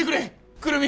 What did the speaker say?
久留美！